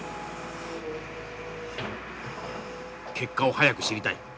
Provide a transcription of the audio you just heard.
結果を早く知りたい。